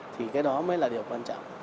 thì cái đó mới là điều quan trọng